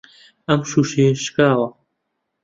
ئەم شووشەیە شکاوە.